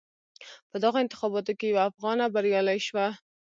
په دغو انتخاباتو کې یوه افغانه بریالی شوه.